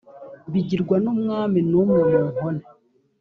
bigirwa n umwami n umwe munkone